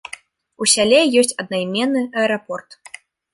У сяле ёсць аднайменны аэрапорт.